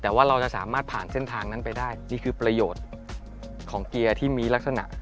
แต่ว่าเราจะสามารถผ่านเส้นทางนั้นไปได้นี่คือประโยชน์ของเกียร์ที่มีลักษณะ